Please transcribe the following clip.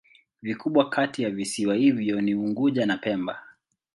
Vikubwa kati ya visiwa hivyo ni Unguja na Pemba.